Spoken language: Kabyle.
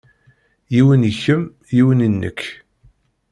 Yiwen i kemm yiwen i nekk.